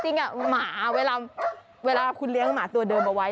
ที่จริงหม่าเวลาคุณเลี้ยงหมาตัวเดิมมาไว้